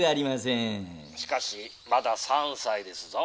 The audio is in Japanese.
「しかしまだ３歳ですぞ」。